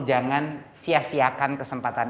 jangan sia siakan kesempatan